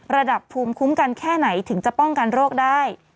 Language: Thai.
ระดับภูมิคุ้มกันแค่ไหนถึงจะป้องกันโรคได้